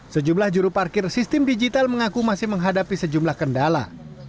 sejumlah juru parkir sistem digital mengaku masih menghadapi sejumlah kendala